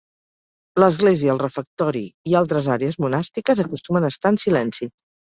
L'església, el refectori i altres àrees monàstiques acostumen a estar en silenci.